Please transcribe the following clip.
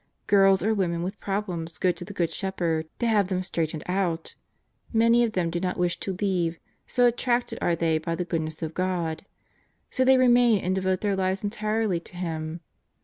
Girls or women with problems go to the Good Shepherd to have them straightened out Many of them do not wish to leave, so attracted are they by the goodness of God, So they remain and devote their lives entirely to Him.